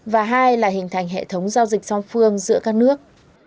và hai là hình thành hệ thống giao dịch song phương giữa các nước